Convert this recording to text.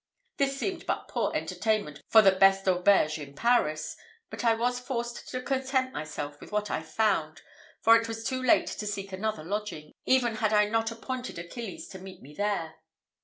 This seemed but poor entertainment for the best auberge in Paris; but I was forced to content myself with what I found, for it was too late to seek another lodging, even had I not appointed Achilles to meet me there.